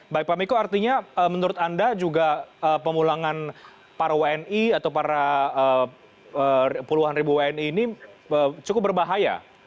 baik pak miko artinya menurut anda juga pemulangan para wni atau para puluhan ribu wni ini cukup berbahaya